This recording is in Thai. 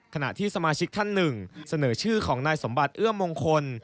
ขณะที่สมาชิกท่านหนึ่งเสนอชื่อของนายสมบัติเอื้อมงคล